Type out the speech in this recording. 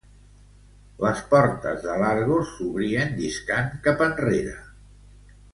Les portes de l'Argos s'obrien lliscant cap enrere.